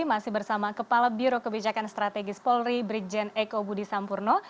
masih bersama kepala biro kebijakan strategis polri brigjen eko budi sampurno